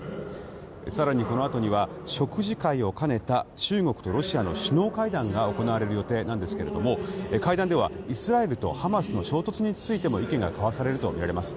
更にこのあとには食事会を兼ねた中国とロシアの首脳会談が行われる予定なんですが会談ではイスラエルとハマスの衝突についても意見が交わされるとみられます。